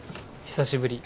久しぶり。